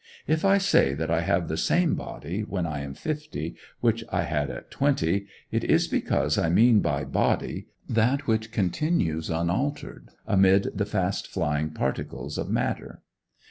If I say that I have the same body when I am fifty which I had at twenty, it is because I mean by "body" that which continues unaltered amid the fast flying particles of matter.